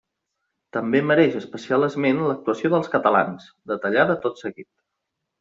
També mereix especial esment l'actuació dels catalans, detallada tot seguit.